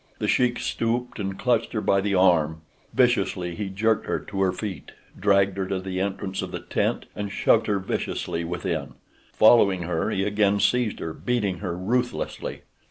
The Sheik stooped and clutched her by the arm. Viciously he jerked her to her feet, dragged her to the entrance of the tent, and shoved her viciously within. Following her he again seized her, beating her ruthlessly.